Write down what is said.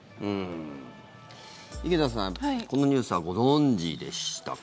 井桁さん、このニュースはご存じでしたか？